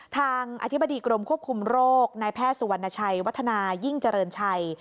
ทางอธิบดีกรมควบคุมโรคนายแพทย์สุวรรณชัยวัฒนายิ่งเจริญชัย